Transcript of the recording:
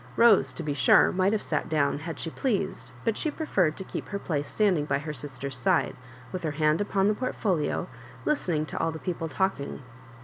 Rose, to be sure, might have sat down had she pleased, but she preferred to keep her place standing by her sister's side, with her hand upon the portfolio, listening to all. the people talking.